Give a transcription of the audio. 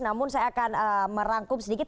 namun saya akan merangkum sedikit